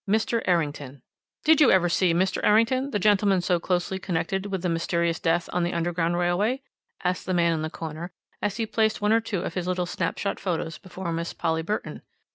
ERRINGTON "Did you ever see Mr. Errington, the gentleman so closely connected with the mysterious death on the Underground Railway?" asked the man in the corner as he placed one or two of his little snap shot photos before Miss Polly Burton.